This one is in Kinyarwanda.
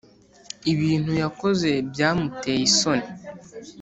ibintu yakoze byamuteye isoni